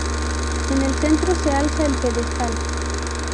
En el centro, se alza el pedestal.